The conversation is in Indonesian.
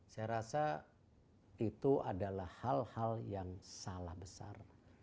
saya rasa itu adalah hal hal yang salah besar